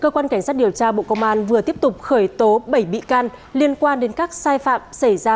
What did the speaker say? cơ quan cảnh sát điều tra bộ công an vừa tiếp tục khởi tố bảy bị can liên quan đến các sai phạm xảy ra